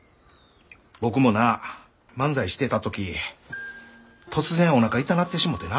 僕もな漫才してた時突然おなか痛なってしもてな。